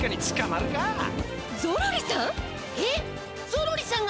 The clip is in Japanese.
ゾロリさん！？